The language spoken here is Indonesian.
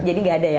jadi tidak ada ya